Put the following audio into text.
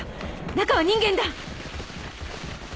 中は人間だ！